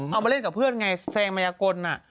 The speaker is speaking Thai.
เอามาเล่นกับเพื่อนไงแทรงมัยก็น